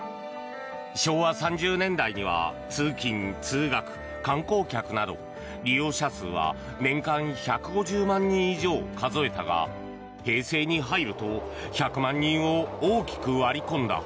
昭和３０年代には通勤・通学・観光客など利用者数は年間１５０万人以上を数えたが平成に入ると１００万人を大きく割り込んだ。